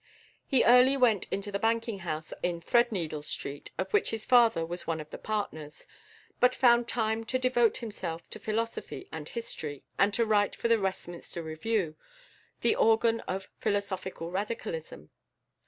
He early went into the banking house in Threadneedle Street, of which his father was one of the partners, but found time to devote himself to philosophy and history, and to write for the Westminster Review, the organ of philosophical Radicalism.